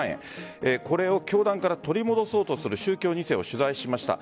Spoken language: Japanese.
これを教団から取り戻そうとする宗教２世を取材しました。